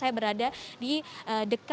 ya selamat siang